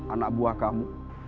anak buah kamu